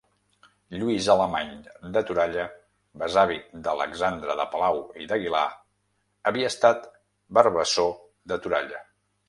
Lluís Alemany de Toralla, besavi d'Alexandre de Palau i d'Aguilar, havia estat varvassor de Toralla.